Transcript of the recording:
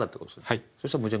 はい。